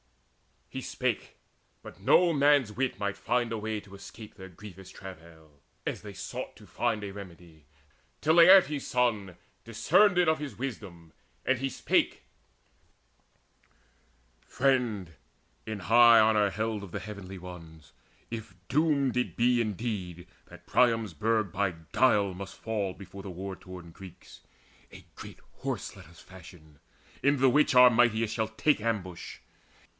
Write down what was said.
He spake; but no man's wit might find a way To escape their grievous travail, as they sought To find a remedy, till Laertes' son Discerned it of his wisdom, and he spake: "Friend, in high honour held of the Heavenly Ones, If doomed it be indeed that Priam's burg By guile must fall before the war worn Greeks, A great Horse let us fashion, in the which Our mightiest shall take ambush.